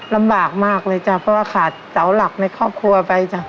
ลำบากมากเลยเพราะขาดเสาหลักในครอบครัวไป